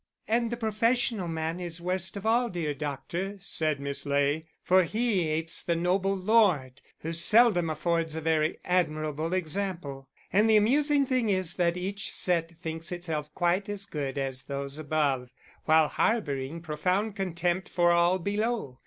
"And the professional man is worst of all, dear doctor," said Miss Ley, "for he apes the noble lord, who seldom affords a very admirable example. And the amusing thing is that each set thinks itself quite as good as those above, while harbouring profound contempt for all below.